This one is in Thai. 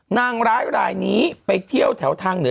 นางร้ายรายนี้ไปเที่ยวแถวทางเหนือ